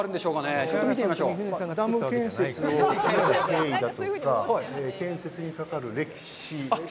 こちらがダム建設の経緯だとか建設にかかわる歴史など。